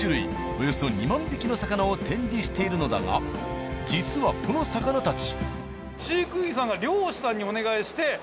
およそ２万匹の魚を展示しているのだが実はこの魚たち。